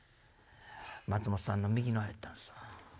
松本さんの右の方やったんすわ。